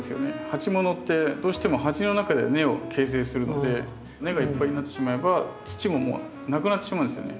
鉢ものってどうしても鉢の中で根を形成するので根がいっぱいになってしまえば土ももうなくなってしまうんですよね。